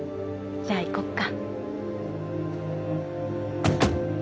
じゃあ行こうか。